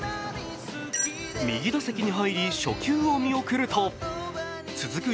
右打席に入り初球を見送ると続く